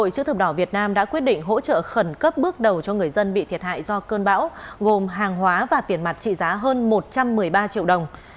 hội chữ thập đỏ việt nam đã quyết định hỗ trợ khẩn cấp bước đầu cho người dân bị thiệt hại do cơn bão gồm hàng hóa và tiền mặt trị giá hơn một trăm một mươi ba triệu đồng